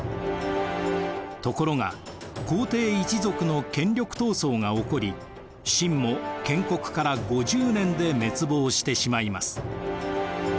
ところが皇帝一族の権力闘争が起こり晋も建国から５０年で滅亡してしまいます。